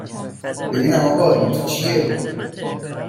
ببینم آقا این تو چیه؟